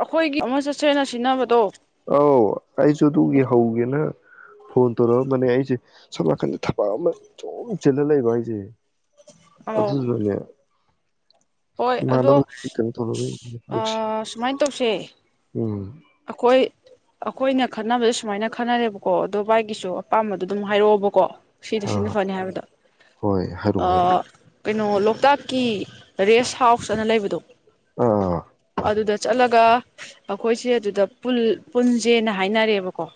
ꯑꯩꯈꯣꯏꯒꯤ ꯑꯃ ꯆꯠꯁꯦꯅ ꯁꯤꯟꯅꯕꯗꯣ ꯑ ꯑꯩꯁꯨ ꯑꯗꯨꯒꯤ ꯍꯧꯒꯦꯅ ꯐꯣꯟ ꯇꯧꯔꯛꯑꯝꯕꯅꯦ ꯑꯩꯁꯦ ꯁꯣꯝ ꯅꯥꯀꯟꯗ ꯊꯕꯛ ꯑꯃ ꯁꯨꯝ ꯆꯤꯂ ꯂꯩꯕ ꯍꯥꯏꯖꯦ ꯑꯧ ꯑꯗꯨꯅꯅꯦ ꯍꯣꯏ ꯑꯗꯣ ꯇꯧꯔꯒ ꯑꯩꯁꯦ ꯍꯟꯗꯛꯁꯦ ꯁꯨꯃꯥꯏꯅ ꯇꯧꯁꯦ ꯎꯝ ꯑꯈꯣꯏ ꯑꯈꯣꯏꯅ ꯈꯟꯅꯕꯗ ꯁꯨꯃꯥꯏꯅ ꯈꯅꯔꯦꯕꯀꯣ ꯑꯗꯣ ꯚꯥꯏꯒꯤꯁꯨ ꯑꯄꯥꯝꯕꯗꯣ ꯑꯗꯨꯝ ꯍꯥꯏꯔꯛꯑꯣꯕꯀꯣ ꯁꯤꯗꯤ ꯁꯤꯅ ꯑꯥ ꯐꯅꯤ ꯍꯥꯏꯕꯗꯣ ꯍꯣꯏ ꯍꯥꯏꯔꯛꯑꯣ ꯑꯥ ꯍꯥꯏꯔꯛꯑꯣ ꯀꯩꯅꯣ ꯂꯣꯛ ꯇꯀꯤ ꯔꯦꯁ ꯍꯥꯎꯁ ꯑꯅ ꯂꯩꯕꯗꯣ ꯑꯥ ꯑꯗꯨꯗ ꯆꯠꯂꯒ ꯑꯀꯣꯏꯁꯁꯦ ꯑꯗꯨ ꯑꯗ ꯄꯨꯜ ꯄꯨꯟꯁꯦꯅ ꯍꯥꯏꯅꯔꯦꯕ ꯍꯣ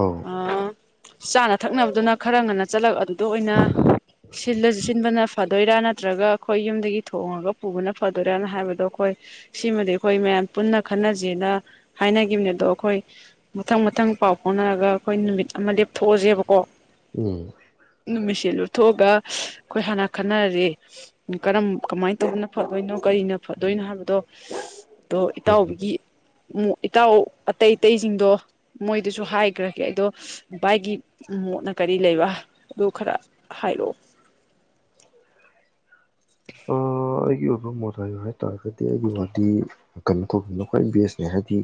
ꯑꯧ ꯑ ꯆꯥꯅ ꯊꯛꯅꯕꯗꯨꯅ ꯈꯔ ꯉꯟꯅ ꯆꯠꯂꯛ ꯑꯗꯨ ꯗ ꯑꯣꯏꯅ ꯁꯤꯜꯂꯁꯨ ꯁꯤꯟꯕꯅ ꯐ ꯐꯗꯣꯏꯔꯥ ꯅꯠꯇ꯭ꯔꯒ ꯑꯩꯈꯣꯏ ꯌꯨꯝꯗꯒꯤ ꯊꯣꯡꯉꯒ ꯄꯨꯕꯅ ꯐꯗꯣꯏꯔꯅ ꯍꯥꯏꯕꯗꯣ ꯑꯩꯈꯣꯏ ꯁꯤꯃꯗꯤ ꯑꯩꯈꯣꯏ ꯃꯌꯥꯝ ꯄꯨꯟꯅ ꯈꯟꯅꯖꯦꯅ ꯍꯥꯏꯅꯒꯤꯕꯅꯦ ꯑꯗꯣ ꯑꯩꯈꯣꯏ ꯃꯊꯪ ꯃꯊꯪ ꯄꯥꯎ ꯐꯥꯎꯅꯔꯒ ꯑꯩꯈꯣꯏ ꯅꯨꯃꯤꯠ ꯑꯃ ꯂꯦꯞꯊꯣꯛꯑꯁꯦꯕꯀꯣ ꯎꯝ ꯅꯨꯃꯤꯠꯁꯦ ꯂꯨꯞꯊꯣꯛꯑꯒ ꯑꯩꯈꯣꯏ ꯍꯥꯟꯅ ꯈꯟꯅꯔꯁꯦ ꯀꯔꯝ ꯀꯃꯥꯏꯅ ꯇꯧꯕꯅ ꯐꯗꯣꯏꯅꯣ ꯀꯔꯤꯅ ꯐꯗꯣꯏꯅꯣ ꯍꯥꯏꯕꯗꯣ ꯗꯣ ꯍꯣꯏꯅꯦ ꯏꯇꯥꯎꯕꯤꯒꯤ ꯎꯝ ꯏꯇꯥꯎ ꯑꯇꯩ ꯑꯇꯩꯁꯤꯡꯗꯣ ꯃꯣꯏꯗꯁꯨ ꯍꯥꯏꯈ꯭ꯔꯒꯦ ꯑꯗꯣ ꯚꯥꯏꯒꯤ ꯃꯣꯠꯅ ꯀꯔꯤ ꯂꯩꯕ ꯑꯗ ꯈꯔ ꯍꯥꯏꯔꯛꯑꯣ ꯑꯥ ꯑꯩ ꯑꯩꯒꯤ ꯑꯣꯏꯕ ꯃꯣꯗ ꯍꯥꯢꯌꯣ ꯍꯥꯏꯇꯥꯥꯔꯒꯗꯤ ꯑꯩꯒꯤ ꯋꯥꯗꯤ ꯀꯩꯅꯣ ꯇꯧꯕꯅ ꯈ꯭ꯋꯥꯏ ꯕꯦꯁꯅꯦ ꯍꯥꯏꯗꯤ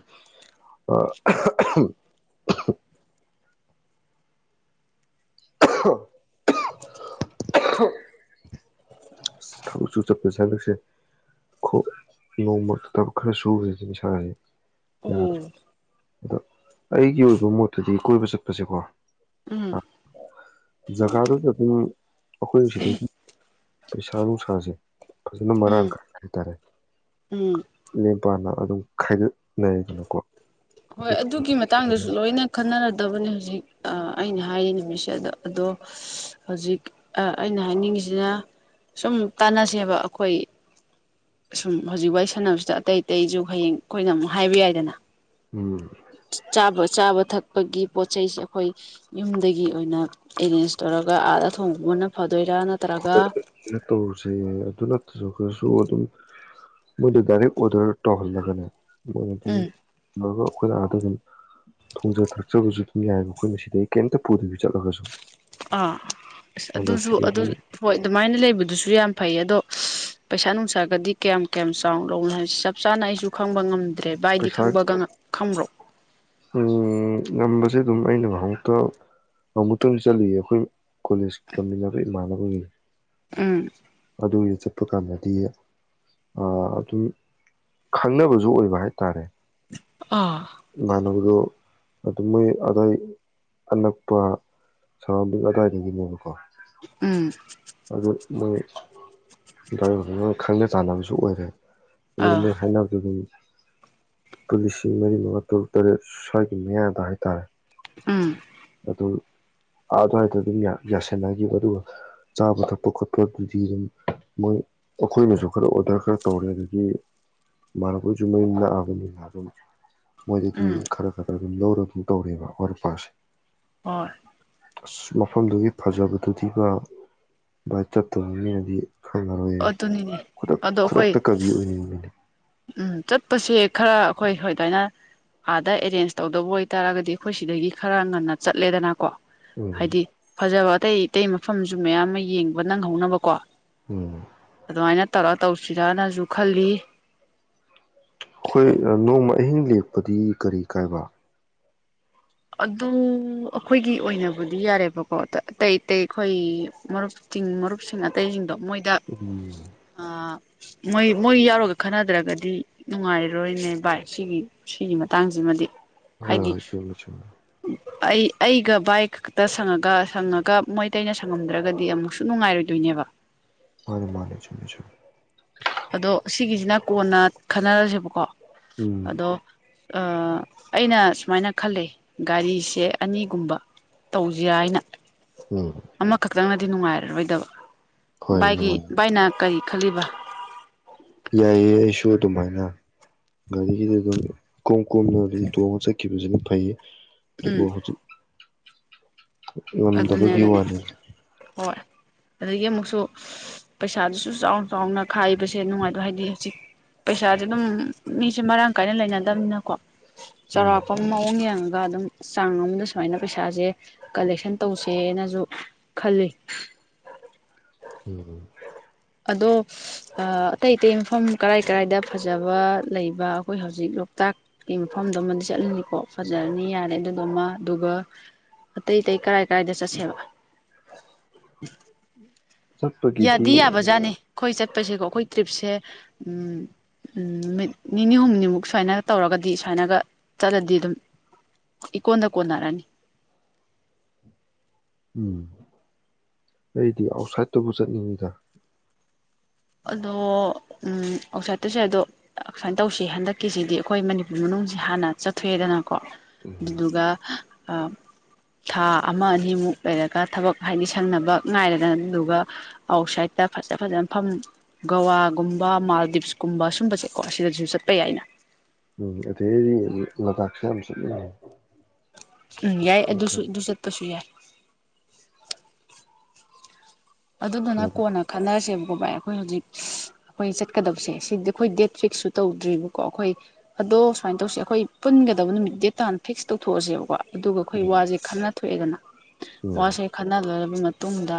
ꯍ [inaudible] [inaudible] ꯑꯁ ꯊꯕꯛꯁꯨꯨ ꯆꯠꯄꯁꯦ ꯍꯟꯗꯛꯁꯦ ꯅꯣꯡꯃꯔꯛꯇ ꯊꯕꯛ ꯈꯔ ꯁꯨꯒ꯭ꯔꯦ ꯉꯁꯥꯢ ꯎꯝ ꯑꯗꯣ ꯑꯩꯒꯤ ꯑꯣꯏꯕ ꯃꯣꯠꯇꯨꯗꯤ ꯀꯣꯏꯕ ꯆꯠꯄꯁꯦꯀꯣ ꯎꯝ ꯖꯒꯥꯗꯨ ꯑꯗꯨ ꯑꯈꯣꯏꯁꯤꯗꯒꯤ ꯄꯩꯁꯥ ꯅꯨꯡꯁꯥꯁꯦ ꯐꯖꯅ ꯃꯔꯥꯡ ꯎꯝ ꯀꯥꯢꯅ ꯍꯥꯢꯇꯥꯔꯦ ꯎꯝ ꯄꯥꯅ ꯑꯗꯨꯝ ꯈꯥꯏꯒꯠꯅꯦꯗꯅꯀꯣ ꯍꯣꯏ ꯑꯗꯨꯒꯤ ꯃꯇꯥꯡꯗꯁꯨ ꯂꯣꯏꯅ ꯈꯟꯅꯔꯗꯕꯅꯦ ꯍꯧꯖꯤꯛ ꯑ ꯑꯩꯅ ꯍꯥꯏꯔꯤ ꯅꯨꯃꯤꯠꯁꯦ ꯑꯗ ꯑꯗꯣ ꯍꯧꯖꯤꯛ ꯑꯩꯅ ꯍꯥꯏꯅꯤꯡꯉꯤꯁꯤꯅ ꯁꯨꯝ ꯇꯥꯟꯅꯁꯦꯕ ꯑꯩꯈꯣꯏ ꯁꯨꯝ ꯍꯧꯖꯤꯛ ꯋꯥꯔꯤ ꯁꯥꯟꯅꯕꯁꯤꯗ ꯑꯇꯩ ꯑꯇꯩꯁꯨ ꯍꯌꯦꯡ ꯑꯩꯈꯣꯏꯅ ꯑꯃꯨꯛ ꯍꯥꯏꯕ ꯌꯥꯏꯗꯅ ꯎꯝ ꯆꯥꯕ ꯆꯥꯕ ꯊꯛ ꯄꯒꯤ ꯄꯣꯠ ꯆꯩꯩꯁꯦ ꯑꯩꯈꯣꯏ ꯌꯨꯝꯗꯒꯤ ꯑꯣꯏꯅ ꯑꯦꯔꯦꯟꯖ ꯇꯧꯔꯒ ꯑꯥꯗ ꯊꯣꯡꯉꯨꯕꯅ ꯐ ꯍꯣꯏꯩꯅ ꯇꯧꯔꯨꯁꯦ ꯑꯗꯨ ꯅꯠꯇ꯭ꯔꯁꯨ ꯇꯔꯁꯨ ꯑꯗꯨꯝ ꯃꯣꯏꯗ ꯗꯥꯏꯔꯦꯛ ꯑꯣꯗꯔ ꯇꯧꯍꯜꯂꯒꯅꯦ ꯃꯣꯢꯅ ꯑꯗꯨꯒꯤ ꯎꯝ [unintelligible] ꯑꯩꯈꯣꯏꯅ ꯑꯗ ꯑꯗꯨꯝ ꯊꯣꯡꯖ ꯊꯛꯆꯕꯁꯨ ꯑꯗꯨꯝ ꯌꯥꯏꯑꯕ ꯑꯩꯈꯣꯏꯅ ꯁꯤꯗꯗꯒꯤ ꯀꯩꯝꯇ ꯄꯨꯗꯕꯤ ꯆꯠꯂꯒꯁꯨ ꯑꯥ ꯑ ꯑꯗꯣ ꯑꯗꯨꯁꯨ ꯑꯗꯨ ꯁꯤꯗꯒꯤ ꯍꯣꯏ ꯑꯗꯨꯃꯥꯏꯅ ꯂꯩꯕꯗꯨꯁꯨ ꯌꯥꯝ ꯐꯩ ꯑꯗꯣ ꯄꯩꯁꯥ ꯅꯨꯡꯁꯥꯒꯗꯤ ꯀꯌꯥꯝ ꯀꯌꯥꯝ ꯆꯥꯎꯅ ꯂꯅꯣ ꯍꯥꯏꯁꯤ ꯆꯞ ꯆꯥꯅ ꯑꯩꯁꯨ ꯈꯪꯕ ꯉꯝꯗꯦ ꯗꯦ ꯕꯥꯏꯗꯤ ꯄꯩꯁꯥ ꯈꯪꯕꯒ ꯈꯪꯕ꯭ꯔꯣ ꯉꯝꯕꯁꯦ ꯑꯗꯨꯝ ꯑꯩꯅ ꯉꯨꯛꯇ ꯑꯃꯨꯛꯇꯪ ꯆꯠꯂꯤꯌꯦ ꯑꯩꯈꯣꯏ ꯀꯣꯂꯦꯖ ꯇꯝꯃꯤꯟꯅꯕ ꯏꯃꯥꯟꯅꯕꯒꯤ ꯎꯝ ꯑꯗꯨ ꯆꯠꯄ ꯀꯥꯟꯗꯗꯤ ꯑꯗꯨꯝ ꯈꯪꯅꯕꯁꯨ ꯑꯣꯏꯕ ꯍꯥꯏꯇꯥꯔꯦ ꯑ ꯏꯃꯥꯟꯅꯕꯗꯣ ꯑꯗꯨꯝ ꯃꯣꯏ ꯑꯗꯥꯏ ꯑꯅꯛꯄ ꯁꯔꯥꯎꯟꯗꯤꯡ ꯑꯗꯥꯏꯗꯒꯤꯅꯦꯕꯀꯣ ꯎꯝ ꯑꯗꯣ ꯃꯣꯏ ꯗ꯭ꯔꯥꯏꯕꯔ ꯈꯪꯅ ꯆꯥꯟꯅꯕꯁꯨ ꯑꯣꯏꯔꯦ ꯑꯗꯨꯗ ꯑꯥ ꯃꯣꯏ ꯍꯥꯏꯅꯗꯨꯗꯅꯤ ꯨ ꯂꯤꯁꯤꯡ ꯃꯔꯤ ꯃꯉꯥ ꯇꯔꯨꯛ ꯇꯔꯦꯠ ꯁ꯭ꯋꯥꯏꯒꯤ ꯃꯌꯥꯗ ꯍꯥꯏꯇꯥꯔꯦ ꯎꯝ ꯑꯗꯨꯝ ꯥ ꯑꯗꯨꯋꯥꯏꯗ ꯑꯗꯨꯝ ꯌꯥꯁꯟꯅꯒꯤꯕ ꯑꯗꯨꯒ ꯆꯥꯕ ꯊꯛꯄ ꯈꯣꯠꯄ ꯑꯗꯨꯗꯤ ꯑꯗꯨꯝ ꯃꯣꯏ ꯑꯩꯈꯣꯏꯅꯁꯨ ꯈꯔ ꯑꯣꯔꯗꯔ ꯈꯔ ꯇꯧꯔꯦ ꯑꯗꯒꯤ ꯃꯥꯅꯕꯣꯏꯁꯨ ꯃꯌꯨꯝ ꯅꯛꯑꯕꯅꯤꯅ ꯑꯗꯨꯝ ꯃꯣꯏꯗꯒꯤ ꯎꯝ ꯈꯔ ꯈꯔ ꯑꯗꯨꯝ ꯂꯧꯔꯒ ꯑꯗꯨꯝ ꯇꯧꯔꯦꯕ ꯑꯣꯔꯄꯥꯁꯦ ꯍ ꯑꯁ ꯃꯐꯝꯗꯨꯒꯤ ꯐꯖꯕꯗꯨ ꯗꯤꯕ ꯕꯥꯏ ꯆꯠꯇ ꯃꯤꯅꯗꯤ ꯑꯗꯨꯅꯤꯅꯦ ꯑꯗꯣ ꯑꯩꯈꯣꯏ ꯈꯪꯉꯔꯣꯏꯌꯦ ꯎꯝ ꯆꯠꯄꯁꯦ ꯈꯔ ꯑꯩꯈꯣꯏ ꯑꯗꯨꯃꯥꯏꯅ ꯑꯥꯗ ꯑꯦꯔꯦꯟꯖ ꯇꯧꯗꯧꯕ ꯑꯣꯏꯇꯥꯔꯒꯗꯤ ꯑꯩꯈꯣꯏ ꯁꯤꯗꯒꯤ ꯈꯔ ꯉꯟꯅ ꯆꯠꯂꯦꯗꯅꯀꯣ ꯎꯝ ꯍꯥꯏꯗꯤ ꯐꯖꯕꯥ ꯑꯇꯩ ꯑꯇꯩ ꯃꯐꯝꯁꯨ ꯃꯌꯥꯝ ꯑꯃ ꯌꯦꯡꯕ ꯅꯪꯍꯧꯅꯕꯀꯣ ꯎꯝ ꯑꯗꯨꯃꯥꯏꯅ ꯇꯧꯔ ꯇꯧꯁꯤꯔꯅꯁꯨ ꯈꯜꯂꯤ ꯑꯩꯈꯣꯏ ꯅꯣꯡꯃ ꯑꯍꯤꯡ ꯂꯦꯛ ꯄꯗꯤ ꯀꯔꯤ ꯀꯥꯏꯕ ꯑꯗꯨ ꯑꯩꯈꯣꯏꯒꯤ ꯑꯣꯏꯅꯕꯨꯗꯤ ꯌꯥꯔꯦꯕꯀꯣ ꯑꯇꯩ ꯑꯇꯩ ꯑꯩꯈꯣꯏ ꯃꯔꯨꯞꯁꯤꯡ ꯃꯔꯨꯞꯁꯤꯡ ꯑꯇꯩꯁꯤꯡꯗꯣ ꯃꯣꯏꯗ ꯎꯝ ꯃꯣꯏ ꯃꯣꯏ ꯌꯥꯎꯔꯒ ꯈꯟꯅꯗ꯭ꯔꯒꯗꯤ ꯅꯨꯡꯉꯥꯏꯔꯔꯣꯏꯅꯦ ꯕꯥꯏ ꯁꯤꯒꯤ ꯁꯤꯒꯤ ꯃꯇꯥꯡꯁꯤꯃꯗꯤ ꯍ ꯍꯥꯏꯗꯤ ꯆꯨꯝꯃꯦ ꯆꯨꯝꯃꯦ ꯑꯩ ꯑꯩꯒ ꯕꯥꯏ ꯈꯛꯇ ꯁꯪꯉꯒ ꯁꯪꯉꯒ ꯃꯣꯏꯇꯩꯩꯅ ꯁꯪꯉꯝꯗ꯭ꯔꯒꯗꯤ ꯑꯃꯨꯛꯁꯨ ꯅꯨꯡꯉꯥꯏꯔꯣꯏꯗꯣꯏꯅꯦꯕ ꯃꯥꯅꯤ ꯃꯥꯅꯤ ꯆꯨꯝꯃꯤ ꯆꯨꯝꯃꯤ ꯑꯁꯤꯒꯤꯁꯤꯅ ꯀꯣꯟꯅ ꯈꯟꯅꯔꯁꯦꯕꯀꯣ ꯎꯝ ꯑ ꯑꯩꯅ ꯁꯨꯃꯥꯏꯅ ꯈꯜꯂꯤ ꯒꯥꯔꯤꯁꯦ ꯑꯅꯤꯒꯨꯝꯕ ꯇꯧꯖꯤꯔꯅ ꯍꯥꯏꯅ ꯎꯝ ꯑꯃ ꯈꯛꯇꯪꯅ ꯗꯤ ꯅꯨꯡꯉꯥꯏꯔꯔꯣꯏꯗꯕ ꯍꯣꯏ ꯚꯥꯏꯒꯤ ꯅꯨꯡꯉꯥꯏ ꯚꯥꯏꯅ ꯀꯔꯤ ꯈꯜꯂꯤꯕ ꯌꯥꯏꯑꯦ ꯑꯩꯁꯨ ꯑꯗꯨꯃꯥꯏꯅ ꯒꯥꯔꯤꯒꯤꯗꯤ ꯑꯗꯨꯝ ꯏꯀꯣꯝ ꯀꯣꯝꯅ ꯑꯗꯨꯝ ꯇꯣꯡꯉ ꯆꯠꯈꯤꯕꯁꯤꯅ ꯐꯩꯌꯦ ꯑꯗꯨꯕꯣ ꯎꯝ [unintelligible] ꯍꯧꯖꯤꯛ ꯑꯗꯨꯅꯦ ꯉꯝꯗꯕꯒꯤ ꯑꯗꯨꯅꯦ ꯋꯥꯅꯤ ꯍꯣꯏ ꯑꯗꯒꯤ ꯑꯃꯨꯛꯁꯨ ꯄꯩꯁꯥꯗꯨꯁꯨ ꯆꯥꯎꯅ ꯆꯥꯎꯅ ꯈꯥꯏꯕꯁꯦ ꯅꯨꯡꯉꯥꯏꯗꯣ ꯍꯥꯏꯗꯤ ꯍꯧꯖꯤꯛ ꯄꯩꯁꯥꯥꯁꯦ ꯑꯗꯨꯝ ꯃꯤꯁꯦ ꯃꯔꯥꯡ ꯀꯥꯏꯅ ꯂꯩꯅꯗꯝꯅꯤꯅꯀꯣ ꯎꯝ ꯆꯥꯎꯔꯥꯛꯄꯝ ꯃꯑꯣꯡ ꯌꯦꯡꯉꯒ ꯑꯗꯨꯝ ꯆꯥꯡ ꯑꯃꯗ ꯁꯨꯃꯥꯏꯅ ꯄꯩꯁꯥꯁꯦ ꯀꯜꯂꯦꯛꯁꯟ ꯇꯧꯁꯦꯅꯁꯨ ꯈꯜꯂꯤ ꯎꯝ ꯎꯝ ꯑꯗꯣ ꯑꯇꯩ ꯑꯇꯩ ꯃꯐꯝ ꯀꯔꯥꯏ ꯀꯔꯥꯏꯗ ꯐꯖꯕ ꯂꯩꯕ ꯑꯩꯈꯣꯏ ꯍꯧꯖꯤꯛ ꯂꯣꯛꯇꯥꯛꯀꯤ ꯃꯐꯝꯗꯨꯃꯗꯤ ꯆꯠꯂꯅꯤꯀꯣ ꯐꯖꯔꯅꯤ ꯌꯥꯔꯦ ꯑꯗꯨꯗꯨꯃ ꯑꯗꯨꯒ ꯑꯇꯩ ꯑꯇꯩ ꯀꯥꯏ ꯀꯥꯏꯗ ꯆꯠꯁꯦꯕ [inaudible] ꯆꯠꯄꯒꯤꯗꯤ ꯌꯥꯗꯤ ꯌꯥꯕꯖꯥꯅꯦ ꯑꯩꯈꯣꯏ ꯆꯠ ꯆꯠꯄꯁꯦꯀꯣ ꯑꯩꯈꯣꯏ ꯇ꯭ꯔꯤꯞꯁꯦ ꯎꯝ ꯅꯨꯠꯃꯤꯠ ꯅꯤꯅꯤ ꯍꯨꯝꯅꯤꯃꯨꯛ ꯁꯨꯃꯥꯏꯅ ꯇꯧꯔꯒꯗꯤ ꯁꯨꯃꯥꯏꯅꯒ ꯆꯠꯂꯗꯤ ꯑꯗꯨꯝ ꯏꯀꯣꯟꯗ ꯀꯣꯟꯅꯔꯅꯤ ꯎꯝ ꯑꯩꯗꯤ ꯑꯥꯎꯠꯁꯥꯏꯠꯇꯕꯨ ꯆꯠꯅꯤꯡꯉꯤꯗ ꯑꯗꯣ ꯎꯝ ꯑꯥꯎꯠꯁꯥꯏꯠꯇꯁꯨ ꯌꯥꯏ ꯑꯗꯣ ꯁꯥꯏꯅ ꯇꯧꯁꯤ ꯍꯟꯗꯛꯀꯤꯁꯤꯗꯤ ꯑꯩꯈꯣꯏ ꯃꯅꯤꯄꯨꯔ ꯃꯅꯨꯡꯁꯤ ꯍꯥꯟꯅ ꯆꯠꯊꯣꯛꯑꯦꯗꯅ ꯀꯣ ꯎꯝ ꯑꯗꯨꯗꯨꯒ ꯑ ꯊꯥ ꯑꯃ ꯑꯅꯤꯃꯨꯛ ꯂꯩꯔꯒ ꯊꯕꯛ ꯍꯥꯏꯗꯤ ꯁꯪꯅꯕ ꯉꯥꯏꯔꯦꯗꯅ ꯑꯗꯨꯗꯨꯒ ꯑꯥꯎꯠꯁꯥꯏꯠꯇ ꯐꯖ ꯐꯖꯕ ꯃꯐꯝ ꯒꯋꯥꯒꯨꯝꯕ ꯃꯥꯜꯗꯤꯞꯁꯀꯨꯝꯕ ꯁꯨꯝꯕꯁꯦꯀꯣ ꯑꯁꯤꯗꯁꯨ ꯆꯠꯄ ꯌꯥꯏꯅꯦ ꯎꯝ ꯑꯗꯩꯗꯤ ꯂꯥꯗꯥꯛꯁꯨ ꯌꯥꯝ ꯆꯠꯅꯩꯌꯦ ꯎꯝ ꯌꯥꯏ ꯑꯗꯨꯁꯨ ꯑꯗꯨ ꯆꯠꯄꯁꯨ ꯌꯥꯏ ꯑꯗꯨꯗꯨꯅ ꯀꯣꯟꯅ ꯈꯟꯅꯔꯁꯦ ꯑꯣ ꯕꯥꯏ ꯑꯩꯈꯣꯏ ꯍꯧꯖꯤꯛ ꯏꯁ ꯑꯩꯈꯣꯏ ꯆꯠꯀꯗꯕꯁꯦ ꯁꯤꯗꯤ ꯑꯩꯈꯣꯏ ꯗꯦꯠ ꯐꯤꯛꯁꯁꯨ ꯇꯧꯗ꯭ꯔꯤꯕꯀꯣ ꯑꯩꯈꯣꯏ ꯑꯗꯣ ꯁꯨꯃꯥꯏꯅ ꯇꯧꯁꯦ ꯑꯩꯈꯣꯏ ꯄꯨꯟꯒꯗꯕ ꯅꯨꯃꯤꯠ ꯗꯦꯠ ꯇꯥꯥꯟꯅ ꯐꯤꯛꯁ ꯇꯧꯊꯣꯛꯑꯁꯦꯕꯀꯣ ꯑꯗꯨꯒ ꯑꯩꯈꯣꯏ ꯎꯝ ꯋꯥꯁꯦ ꯈꯟꯅ ꯊꯣꯛꯑꯦꯗꯅ ꯎꯝ ꯋꯥꯁꯦ ꯈꯟꯅꯔ ꯑꯗꯨ ꯃꯇꯨꯡꯗ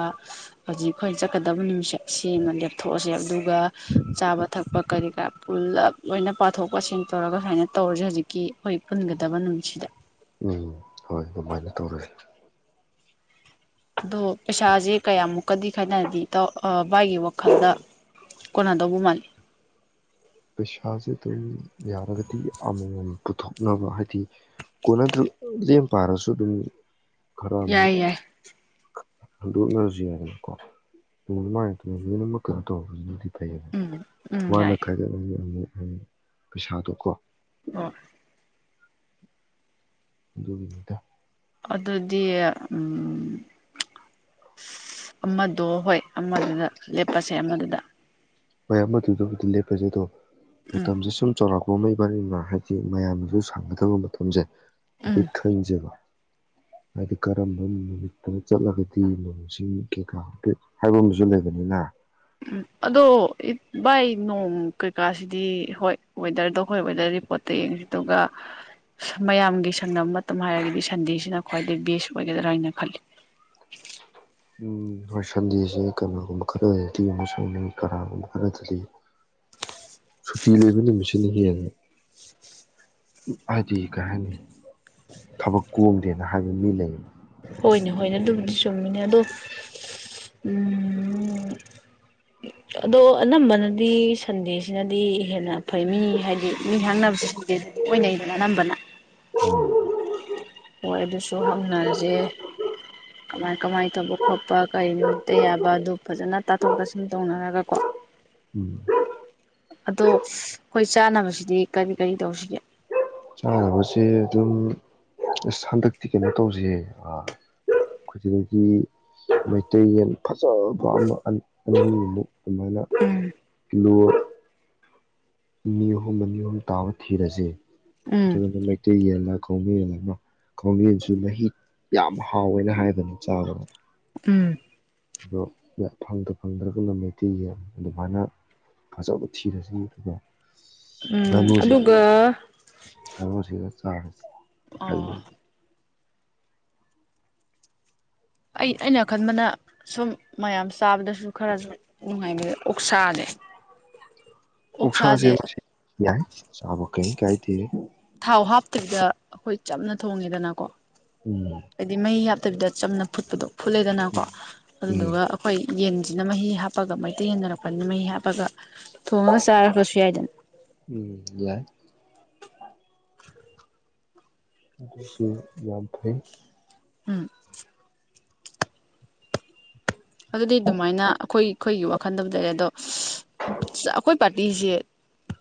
ꯍꯧꯖꯤꯛ ꯑꯩꯈꯣꯏ ꯆꯠꯀꯗꯕ ꯅꯨꯃꯤꯠꯁꯦ ꯁꯤꯃ ꯂꯦꯞꯊꯣꯛꯑꯁꯦ ꯑꯗꯨꯒ ꯆꯥꯕ ꯊꯛꯄ ꯀꯔꯤ ꯀꯔꯥ ꯄꯨꯜꯂꯞ ꯂꯣꯏꯅ ꯄꯥꯊꯣꯛ ꯄꯥꯁꯤꯟ ꯇꯧꯔꯒ ꯁꯨꯃꯥꯏꯅ ꯇꯧꯔꯖꯦ ꯍꯧꯖꯤꯛꯀꯤ ꯑꯩꯈꯣꯏ ꯄꯨꯟꯒꯗꯕ ꯅꯨꯃꯤꯠꯁꯤꯗ ꯎꯝ ꯍꯣꯏ ꯑꯗꯨꯃꯥꯏꯅ ꯇꯧꯔꯁꯤ ꯑꯗꯣ ꯄꯩꯁꯥꯖꯦ ꯀꯌꯥꯃꯨꯛ ꯀꯗꯤ ꯈꯥꯏꯅꯔꯗꯤ ꯏꯇꯥꯎ ꯑ ꯚꯥꯏꯒꯤ ꯋꯥꯈꯜꯗ ꯀꯣꯅꯥ ꯗꯧꯕ ꯃꯥꯜꯂꯤ ꯄꯩꯁꯥꯁꯦ ꯑꯗꯨꯝ ꯌꯥꯔꯒꯗꯤ ꯑꯃꯃꯝ ꯄꯨꯊꯣꯛꯅꯕ ꯍꯥꯏꯗꯤ ꯀꯣꯟꯅꯗ꯭ꯔ ꯂꯦꯝ ꯄꯥꯔꯁꯨ ꯑꯗꯨꯝ ꯌꯥꯏ ꯌꯥꯏ ꯍꯟꯗꯣꯛꯅꯔꯖꯨ ꯌꯥꯏꯗꯅꯀꯣ ꯑꯗꯨ ꯑꯗꯨꯃꯥꯏꯅ ꯇꯧ ꯂꯣꯏꯅꯃꯛ ꯀꯩꯅꯣ ꯇꯧꯅꯣ ꯎꯝ ꯎꯝ ꯌꯥꯏ ꯑꯃꯨ ꯄꯩꯁꯥꯗꯣꯀꯣ ꯑ ꯗꯨꯒꯤꯅꯤꯗ ꯑꯗꯨꯗꯤ ꯎꯝ ꯑꯃꯗꯣ ꯍꯣꯏ ꯑꯃꯗꯨꯗ ꯂꯦꯞꯄꯁꯦ ꯑꯃꯗꯨꯗ ꯃꯌꯥꯝ ꯑꯗꯨꯗꯕꯨꯗꯤ ꯂꯦꯞꯄꯁꯦ ꯑꯗꯣ ꯎꯝ ꯃꯇꯝꯁꯦ ꯁꯨꯝ ꯆꯥꯎꯔꯛꯄ ꯇꯣꯝꯕ ꯏꯕꯥꯅꯤꯃꯥ ꯍꯥꯏꯗꯤ ꯃꯌꯥꯝꯅꯁꯨ ꯁꯪꯒꯗꯕ ꯃꯇꯝꯖꯦ ꯑ ꯎꯝ ꯈꯪꯖꯦꯕ ꯍꯥꯏꯗꯤ ꯀꯔꯝꯕ ꯅꯨꯃꯤꯠꯇꯅ ꯆꯠꯂꯒꯗꯤ ꯅꯣꯡꯁꯤꯡ ꯀꯩꯀꯥ ꯍꯥꯏꯕ ꯑꯃꯁꯨ ꯂꯩꯕꯅꯤꯅ ꯎꯝ ꯑꯗꯣ ꯏ ꯚꯥꯏ ꯅꯣꯡ ꯀꯩꯀꯥꯁꯤꯗꯤ ꯍꯣꯏ ꯋꯦꯗꯔꯗꯣ ꯍꯣꯏ ꯋꯦꯗꯔ ꯔꯤꯄꯣꯔꯠꯇ ꯌꯦꯡꯁꯤ ꯑꯗꯨꯒ ꯃꯌꯥꯝꯒꯤ ꯁꯪꯅꯕ ꯃꯇꯝ ꯍꯥꯏꯔꯒꯗꯤ ꯁꯟꯗꯦꯁꯤꯅ ꯈ꯭ꯋꯥꯏꯗꯩ ꯕꯦꯁ ꯑꯣꯏꯒꯗ꯭ꯔꯥ ꯍꯥꯏꯅ ꯈꯜꯂꯤ ꯎꯝ ꯍꯣꯏ ꯁꯟꯗꯦꯁꯦ ꯀꯩꯅꯣꯒꯨꯝꯕ ꯈꯔꯗ ꯤ ꯑꯃ ꯁꯪꯅꯩ ꯀꯅꯥꯒꯨꯝꯕ ꯈꯔꯗꯗꯤ ꯁꯨꯇꯤ ꯂꯩꯕ ꯅꯨꯃꯤꯠꯁꯤꯅ ꯍꯦꯟꯅ ꯍꯥꯏꯗꯤ ꯀꯩ ꯍꯥꯏꯅꯤ ꯊꯕꯛ ꯀꯣꯝꯗꯦꯅ ꯍꯥꯏꯕ ꯃꯤ ꯂꯩꯌꯦꯕ ꯍꯣꯏꯅꯦ ꯍꯣꯏꯅꯦ ꯑꯗꯨꯕꯨꯗꯤ ꯆꯨꯝꯃꯤꯅꯦ ꯑꯗꯣ ꯑꯗꯣ ꯑꯅꯝꯕꯅꯗꯤ ꯁꯟꯗꯦꯁꯤꯅꯗꯤ ꯍꯦꯟꯅ ꯐꯩ ꯃꯤ ꯍꯥꯏꯗꯤ ꯃꯤ ꯍꯥꯡꯅꯕꯁꯤ ꯁꯟꯗꯦꯗꯗꯤ ꯑꯣꯏꯅꯩꯗꯅ ꯑꯅꯝꯕꯅ ꯍꯣꯏ ꯑꯗꯨꯁꯨ ꯍꯥꯡꯅꯔꯖꯦ ꯀꯃꯥꯏ ꯀꯃꯥꯏ ꯇꯧꯕ ꯈꯣꯠꯄ ꯀꯔꯤ ꯅꯨꯃꯤꯠꯇ ꯌꯥꯕ ꯑꯗꯨ ꯐꯖꯅ ꯇꯥꯊꯣꯛ ꯇꯥꯁꯤꯟ ꯇꯧꯅꯔꯒꯀꯣ ꯎꯝ ꯑꯗꯣ ꯈꯣꯏ ꯆꯥꯅꯕꯁꯤꯗꯤ ꯀꯔꯤ ꯀꯔꯤ ꯇꯧꯁꯤꯒꯦ ꯆꯥꯅꯕꯁꯦ ꯑꯗꯨꯝ ꯑꯁ ꯍꯟꯗꯛꯇꯤ ꯀꯩꯅꯣ ꯇꯧꯖꯤꯍꯦ ꯑ ꯈꯣꯏꯖꯩꯒꯤ ꯃꯩꯇꯩ ꯌꯦꯟ ꯐꯖꯕ ꯑꯃ ꯑꯅꯤꯃꯨꯛ ꯑꯗꯨꯃꯥꯏꯅ ꯎꯝ ꯀꯤꯂꯣ ꯅꯤꯍꯨꯝꯕ ꯅꯤꯍꯨꯝ ꯇꯥꯕ ꯊꯤꯔꯁꯦ ꯎꯝ ꯑꯗꯨ ꯑꯗꯨ ꯇꯩ ꯌꯦꯜꯂ ꯈꯧꯃꯦꯜꯂ ꯑꯃ ꯈꯥꯎꯃꯦꯟꯁꯨ ꯃꯍꯤꯛ ꯌꯥꯝ ꯍꯥꯎꯋꯦꯅ ꯍꯥꯏꯕꯅꯤ ꯆꯥꯕꯗ ꯎꯝ ꯑꯗꯣ ꯐꯪꯗ ꯐꯪꯗ꯭ꯔꯒꯅ ꯃꯩꯇꯩꯒꯤ ꯑꯗꯨꯃꯥꯏꯅ ꯐꯖꯕ ꯊꯤꯔꯁꯤ ꯑꯗꯨꯒ ꯎꯝ ꯉꯥꯅꯨꯁꯦ ꯑꯗꯨꯒ ꯆꯥꯔꯖꯤ ꯑ ꯑꯩ ꯑꯩꯅ ꯑ ꯈꯟꯕꯅ ꯁꯨꯝ ꯃꯌꯥꯝ ꯆꯥꯕꯗꯁꯨ ꯈꯔꯁꯨ ꯅꯨꯡꯉꯥꯏꯕ ꯑꯣꯛꯁꯥꯖꯦ ꯑꯣꯛꯁ ꯑꯁꯤ ꯌꯥꯏ ꯆꯥꯕ ꯀꯩꯝ ꯀꯥꯏ ꯗꯦ ꯊꯥꯎ ꯍꯥꯞꯇꯕꯤꯗ ꯑꯩꯈꯣꯏ ꯆꯞꯅ ꯊꯣꯡꯉꯦꯗꯅꯀꯣ ꯎꯝ ꯍꯥꯏꯗꯤ ꯃꯩ ꯍꯥ ꯐꯠꯇꯕꯤꯗ ꯆꯝꯅ ꯐꯨꯠꯄꯗꯣ ꯐꯨꯠꯂꯦꯗꯅꯀꯣ ꯎꯝ ꯎꯝ ꯑꯗꯨꯗꯨꯒ ꯑꯩꯈꯣꯏ ꯌꯦꯟꯁꯤꯅ ꯃꯍꯤ ꯍꯥꯞꯄꯒ ꯃꯩꯇꯩ ꯌꯦꯟꯅꯔꯛꯄꯅꯤꯅ ꯃꯍꯤ ꯍꯥꯞꯄꯒ ꯊ‌ꯣꯡꯉꯒ ꯆꯥꯈꯔꯁꯨ ꯌꯥꯏꯗꯅ ꯎꯝ ꯌꯥꯏ [unintelligible] ꯑꯗꯨꯁꯨ ꯌꯥꯝ ꯐꯩ ꯎꯝ ꯑꯗꯨꯗꯤ ꯑꯗꯨꯃꯥꯏꯅ ꯑꯩꯈꯣꯏ ꯑꯩꯈꯣꯏꯒꯤ ꯋꯥꯈꯟꯗꯕꯨ ꯂꯩꯔꯦ ꯑꯗꯣ ꯑꯩꯈꯣꯏ ꯄꯥꯔ ꯇꯤꯁꯦ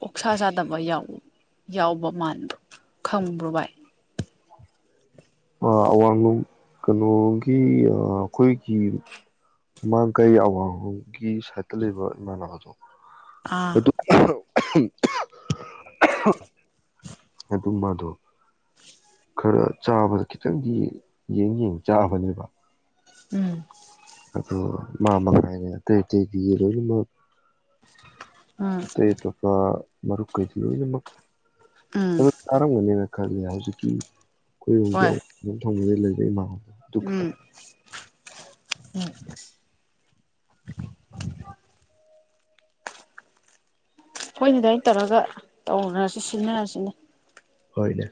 ꯑꯣꯛꯁꯥ ꯆꯥꯗꯕ ꯌꯥꯎ ꯌꯥꯎꯕ ꯃꯥꯟꯕ‌ꯔ‌ꯣ ꯈꯪꯕ꯭ꯔꯣ ꯚꯥꯏ ꯑꯋꯥꯡꯂꯣꯡ ꯀꯩꯅꯣꯒꯤ ꯑꯩꯈꯣꯏꯒꯤ ꯃꯃꯥꯡꯒꯩ ꯑꯋꯥꯡꯂꯣꯡꯒꯤ ꯁꯥꯏꯠꯇ ꯂꯩꯕ ꯏꯃꯥꯟꯅꯕꯗꯣ ꯑꯥ ꯑꯗꯨ [unintelligible] ꯑꯗꯨ ꯃꯥꯗ‌ꯣ ꯈꯔ ꯆꯥꯕꯗ ꯈꯤꯇꯪꯗꯤ ꯌꯦꯡ ꯌꯦꯡ ꯆꯥꯕꯅꯦꯕ ꯎꯝ ꯑꯗꯣ ꯃꯥ ꯃꯛꯅ ꯍꯥꯏꯅꯦ ꯑꯇꯩ ꯑꯇꯩꯗꯤ ꯂꯣꯏꯅꯃꯛ [unintelligible] ꯑꯇꯩ ꯑꯇ‌ꯣꯞꯄ ꯃꯔꯨꯞ ꯀꯩꯗꯤ ꯂꯣꯏꯅꯃꯛ ꯎꯝ ꯑꯗꯨ ꯇꯥꯔꯝꯒꯅꯤꯅ ꯈꯜꯂꯤ ꯍꯧꯖꯤꯛꯀꯤ ꯀꯣꯏ ꯍꯣꯏ ꯍꯧ [unintelligible] ꯂꯩꯕꯩꯅ‌ꯣ ꯎꯝ ꯎꯝ ꯍꯣꯏꯅ‌ꯦ ꯑꯗꯨꯃꯥꯏ ꯇꯧꯔꯒ ꯇꯧꯅꯔꯁꯤ ꯁꯤꯟꯅꯔꯁꯤꯅꯦ ꯍꯣꯏꯅꯦ